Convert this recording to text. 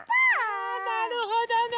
あなるほどね。